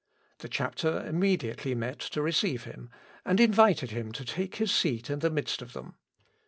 The chapter immediately met to receive him, and invited him to take his seat in the midst of them.